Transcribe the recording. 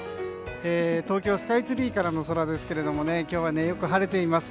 東京スカイツリーからの空ですが今日はよく晴れています。